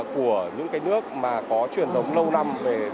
của những cái nước mà có truyền thống lâu năm về